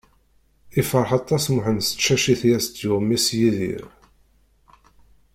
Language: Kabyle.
Ifreḥ aṭas Muḥend s tcacit i as-d-yuɣ mmi-s Yidir.